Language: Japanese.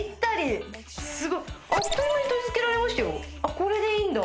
これでいいんだ。